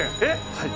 「はい」